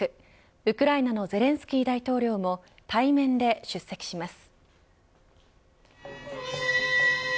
ウクライナのゼレンスキー大統領も対面で出席します。